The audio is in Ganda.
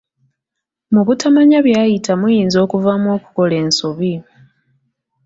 Mu butamanya byayita muyinza okuvaamu okukola ensobi.